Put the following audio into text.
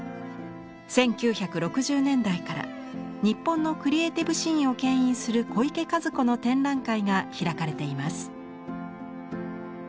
１９６０年代から日本のクリエイティブシーンをけん引する小池一子の展覧会が開かれています。